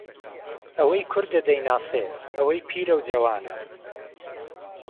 ئەوەی کوردە دەیناسێ ئەوەی پیرەو جەوانە